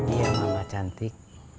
iya mama cantik